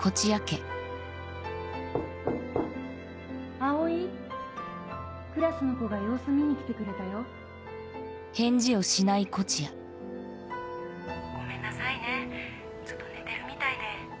・葵クラスの子が様子見にきてくれたよ・ごめんなさいねちょっと寝てるみたいで。